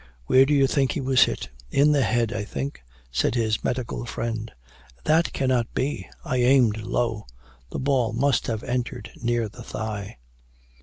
Where do you think he was hit?" "In the head, I think," said his medical friend. "That cannot be I aimed low; the ball must have entered near the thigh."